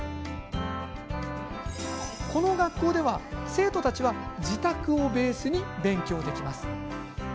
この学校では、生徒たちは自宅をベースに勉強できます。